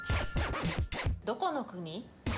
どこの国？